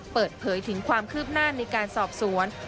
เปิดเผยถึงความคืบหน้าในการสอบสวน